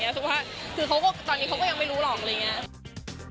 คือว่าคือเขาก็ตอนนี้เขาก็ยังไม่รู้หรอกอะไรอย่างนี้